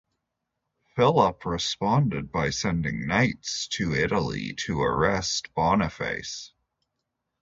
Philip responded by sending knights to Italy to arrest Boniface.